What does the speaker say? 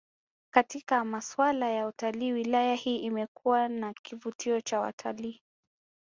Katika maswala ya utalii wilaya hii imekuwa na kivutio cha watalii